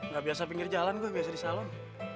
gak biasa pinggir jalan gue biasa di salon